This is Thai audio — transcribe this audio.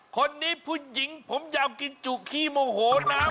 คนนี้ผู้หญิงผมยาวกินจุขี้โมโหแล้ว